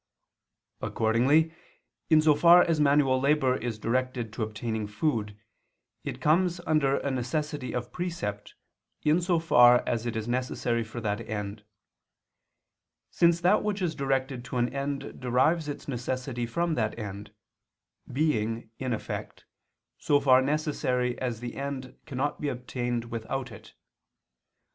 Accordingly, in so far as manual labor is directed to obtaining food, it comes under a necessity of precept in so far as it is necessary for that end: since that which is directed to an end derives its necessity from that end, being, in effect, so far necessary as the end cannot be obtained without it.